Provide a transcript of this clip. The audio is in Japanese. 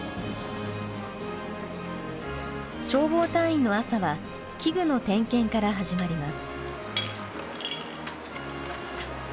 消防隊員の朝は器具の点検から始まります。